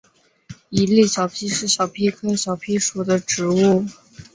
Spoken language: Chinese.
伊犁小檗是小檗科小檗属的植物。